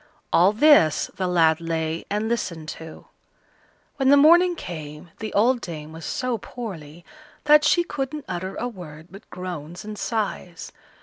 All this the lad lay and listened to. When the morning came the old dame was so poorly that she couldn't utter a word but groans and sighs.